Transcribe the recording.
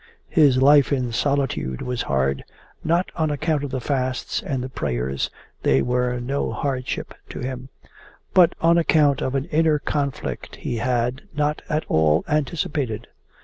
His life in solitude was hard not on account of the fasts and the prayers (they were no hardship to him) but on account of an inner conflict he had not at all anticipated.